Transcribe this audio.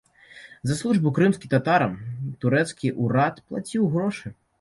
За службу крымскім татарам турэцкі ўрад плаціў грошы.